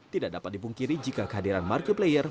tidak dapat dipungkiri jika kehadiran marketplayer